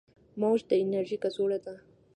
موج د انرژي کڅوړه ده.